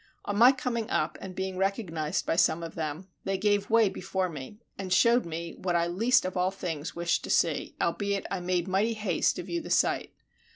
On my coming up and being recognized by some of them, they gave way before me and showed me what I least of all things wished to see, albeit I made mighty haste to view the sight.